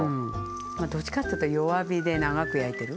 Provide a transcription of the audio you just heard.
まあどっちかっていうと弱火で長く焼いてる。